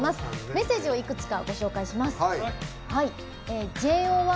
メッセージをいくつかご紹介します。